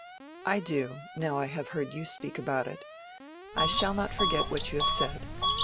"I do, now I have heard you speak about it. I shall not forget what you have said.